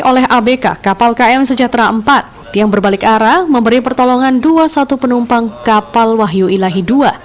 oleh abk kapal km sejahtera empat yang berbalik arah memberi pertolongan dua satu penumpang kapal wahyu ilahi dua